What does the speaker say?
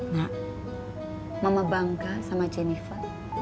nak mama bangga sama jennifer